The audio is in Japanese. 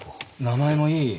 名前もいい。